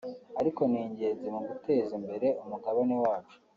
ariko ni ingenzi mu guteza imbere umugabane wacu